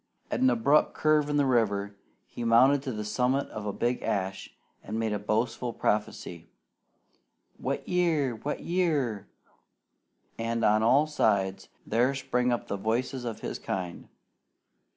At an abrupt curve in the river he mounted to the summit of a big ash and made boastful prophecy, "Wet year! Wet year!" and on all sides there sprang up the voices of his kind.